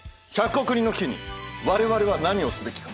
１００億人の危機に我々は何をすべきか！」。